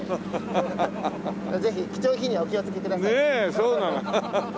そうなの。